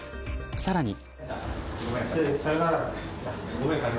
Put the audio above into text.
さらに。